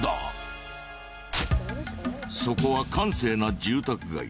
そこは閑静な住宅街。